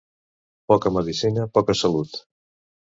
Poca medecina, poca salut.